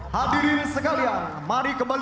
yang diperlukan oleh teman teman